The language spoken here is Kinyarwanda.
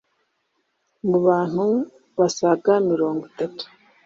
mu bantu basaga mirongo itatu